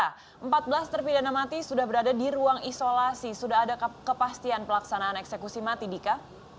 empat belas terpidana mati sudah berada di ruang isolasi sudah ada kepastian pelaksanaan eksekusi mati dika